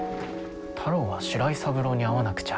太郎は白井三郎に会わなくちゃ。